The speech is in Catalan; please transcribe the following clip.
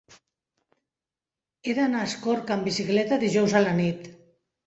He d'anar a Escorca amb bicicleta dijous a la nit.